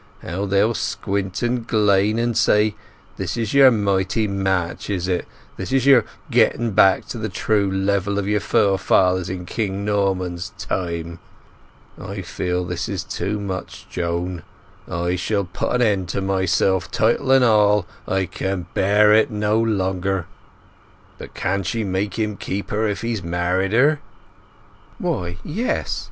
How they'll squint and glane, and say, 'This is yer mighty match is it; this is yer getting back to the true level of yer forefathers in King Norman's time!' I feel this is too much, Joan; I shall put an end to myself, title and all—I can bear it no longer!... But she can make him keep her if he's married her?" "Why, yes.